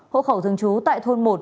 hộ khẩu thường chú tại thôn một